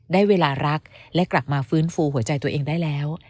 ได้เวลารักและกลับมาฟื้นฟูหัวใจตัวเองได้แล้ว